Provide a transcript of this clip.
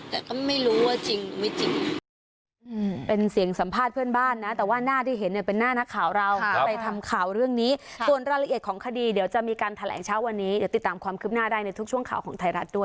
แต่ก็ไม่รู้ว่าจริงไม่จริง